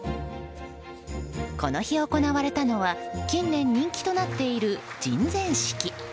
この日行われたのは近年、人気となっている人前式。